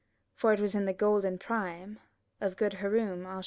For it was in the golden prime Of good Ha roun' Al rasch'id.